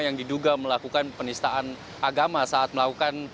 yang diduga melakukan penistaan agama saat melakukan